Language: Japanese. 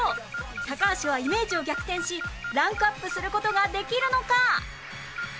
高橋はイメージを逆転しランクアップする事ができるのか？